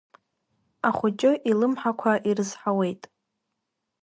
Ахәыҷы илымҳақәа ирызҳауеит.